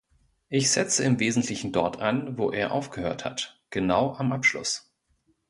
Ich setze im Wesentlichen dort an, wo er aufgehört hat, genau am Abschluss.